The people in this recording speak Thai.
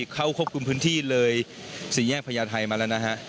เข้าควบคุมพื้นที่เลยสี่แยกพญาไทยมาแล้วนะฮะ